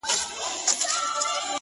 ږغ مي بدل سويدی اوس ـ